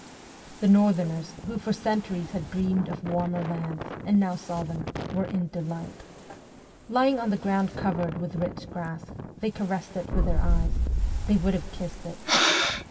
The northerners, who for centuries had dreamed of warmer lands, and now saw them, were in delight. Lying on the ground covered with rich grass, they caressed it with their eyes they would have kissed it.